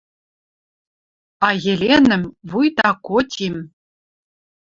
А Еленӹм, вуйта котим